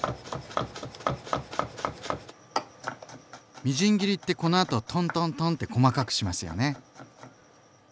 みじん切りってこのあとトントントンって細かくしますよね？